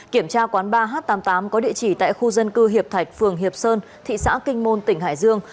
kiểm tra quán ba h tám mươi tám có địa chỉ tại khu dân cư hiệp thạch phường hiệp sơn thị xã kinh môn tỉnh hải dương